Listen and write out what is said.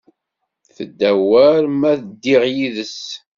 Tedda war ma ddiɣ yid-s.